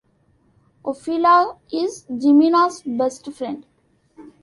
Ofelia is Jimena's best friend.